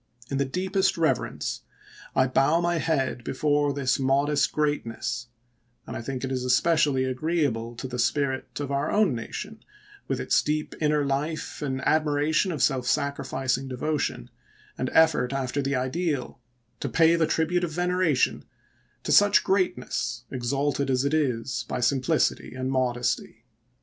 In the deepest reverence I bow my head before this modest greatness, and I think it is especially agreeable to the spirit of our own nation, with its deep inner life and admiration of self sac rificing devotion and effort after the ideal, to pay the tribute of veneration to such greatness, exalted as it is by simplicity and modesty